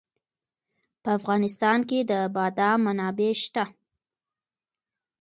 په افغانستان کې د بادام منابع شته.